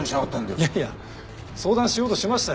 いやいや相談しようとしましたよ。